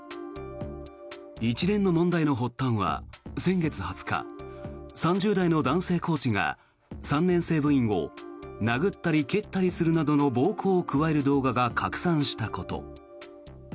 一連の問題の発端は先月２０日３０代の男性コーチが３年生部員を殴ったり蹴ったりするなどの暴行を加える動画が拡散したこと。